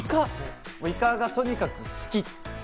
イカがとにかく好き。